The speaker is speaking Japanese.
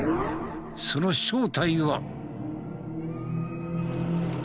その正体は？ん？